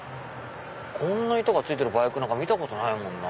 こんな板がついてるバイクなんか見たことないもんな。